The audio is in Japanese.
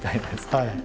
はい。